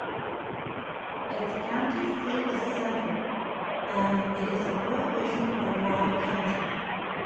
Its county seat is Centre, and it is a prohibition or dry county.